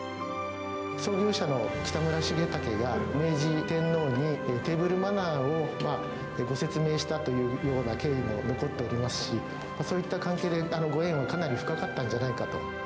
創業者の北村重威が、明治天皇にテーブルマナーをご説明したというような経緯も残っておりますし、そういった関係でご縁がかなり深かったんじゃないかと。